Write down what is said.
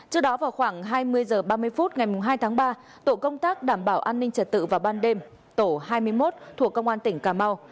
trước đó vào khoảng hai mươi h ba mươi phút ngày hai tháng ba tổ công tác đảm bảo an ninh trật tự vào ban đêm tổ hai mươi một thuộc công an tỉnh cà mau